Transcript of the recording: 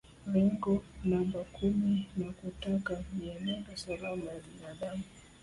Lengo namba kumi la kutaka mienendo salama ya binadamu